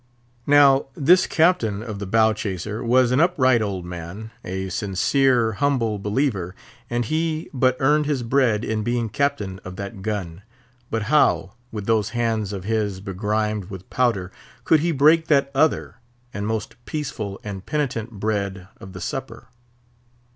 Now, this captain of the bow chaser was an upright old man, a sincere, humble believer, and he but earned his bread in being captain of that gun; but how, with those hands of his begrimed with powder, could he break that other and most peaceful and penitent bread of the Supper?